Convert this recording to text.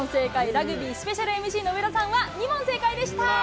ラグビースペシャルＭＣの上田さんは２問正解でしたー！